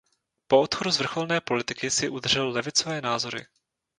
Po odchodu z vrcholné politiky si udržel levicové názory.